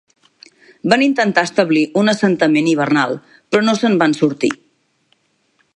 Van intentar establir un assentament hivernal, però no se'n van sortir.